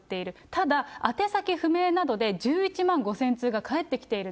ただ宛先不明などで１１万５０００通が返ってきている。